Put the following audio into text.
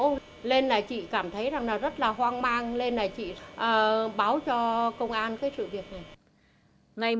nên là chị cảm thấy rất là hoang mang nên là chị báo cho công an cái sự việc này